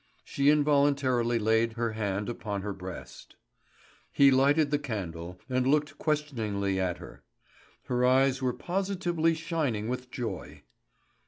She involuntarily laid her hand upon her breast. He lighted the candle and looked questioningly at her. Her eyes were positively shining with joy.